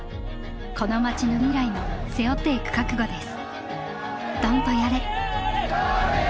この町の未来も背負っていく覚悟です。